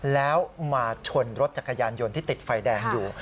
แล้วมาชนรถจักรยานยนต์ที่ติดไฟแดงอยู่